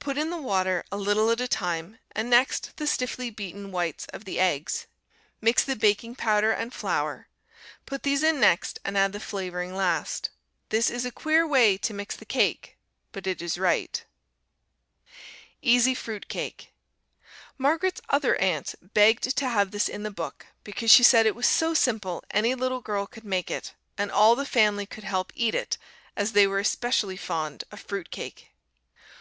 Put in the water, a little at a time, and next the stiffly beaten whites of the eggs. Mix the baking powder and flour, put these in next, and add the flavoring last. This is a queer way to mix the cake, but it is right. Easy Fruit cake Margaret's Other Aunt begged to have this in the book, because she said it was so simple any little girl could make it, and all the family could help eat it, as they were especially fond of fruit cake.